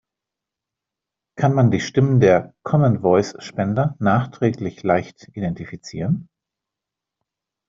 Kann man die Stimmen der Common Voice Spender nachträglich leicht identifizieren?